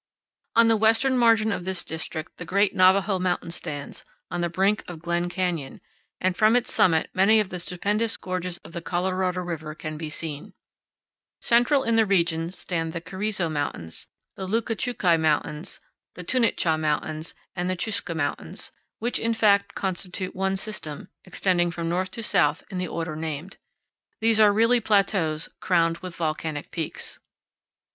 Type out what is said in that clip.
On the western margin of this district the great Navajo Mountain stands, on the brink of Glen Canyon, and from its summit many of the stupendous gorges of the Colorado River can be seen. Central in the region stand the Carrizo Mountains, the Lukachukai 50 powell canyons 26.jpg PANORAMA IN THE VALLEY OF THE PUERCO. MESAS AND BUTTES. 51 Mountains, the Tunitcha Mountains, and the Chusca Mountains, which in fact constitute one system, extending from north to south in the order named. These are really plateaus crowned with volcanic peaks.